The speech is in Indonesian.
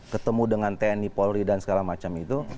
ketemu dengan tni polri dan segala macam itu